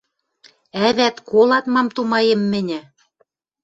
Ӓвӓт, колат, мам тумаем мӹньӹ?